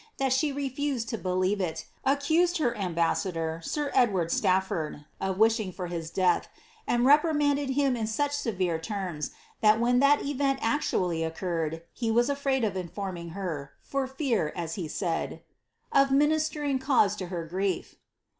that she refused to believe it, aceuseJ her smbassaHnr, «ir Edtrarl SM font, of wishing for his death, and reprimanded him iti such bbvoI terms, thai when ihal event actually occurred, he was Bfraid of iiifuiri ing her, for fear, as he said, ^ o{ mLniglering cause to her grief."